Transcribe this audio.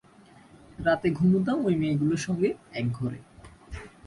রাতে ঘুমুতাম ঐ মেয়েগুলির সঙ্গে এক ঘরে।